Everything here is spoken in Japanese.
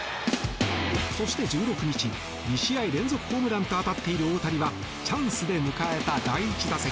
そして、１６日２試合連続ホームランと当たっている大谷はチャンスで迎えた第１打席。